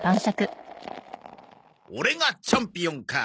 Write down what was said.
オレがチャンピオンか。